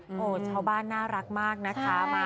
โอ้โหชาวบ้านน่ารักมากนะคะ